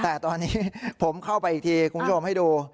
แต่ตอนนี้ผมเข้าไปอีกทีคุณผู้ชมให้ดู